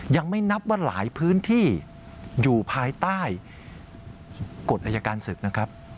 ยังไม่นับว่าหลายพื้นที่อยู่ภายใต้กฎอายการศึกนะครับ